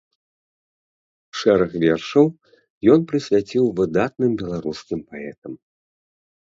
Шэраг вершаў ён прысвяціў выдатным беларускім паэтам.